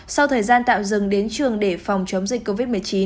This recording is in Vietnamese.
sau thời gian tạm dừng đến trường để phòng chống dịch covid một mươi chín